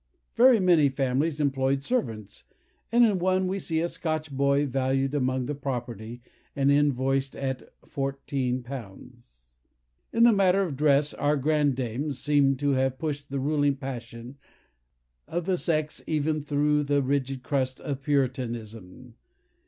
Very many families employed servants, and in one we see a Scotch boy valued among the property, and invoiced at 14_l._" In the matter of dress, our grandames seem to have pushed the ruling passion of the sex even through the rigid crust of Puritanism.